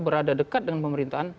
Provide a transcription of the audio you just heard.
berada dekat dengan pemerintahan